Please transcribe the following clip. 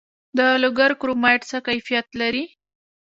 د لوګر کرومایټ څه کیفیت لري؟